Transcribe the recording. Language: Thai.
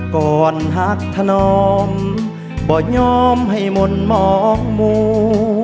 ก่อนหักถนอมบ่ยอมให้มนต์มองมู